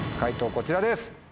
こちらです。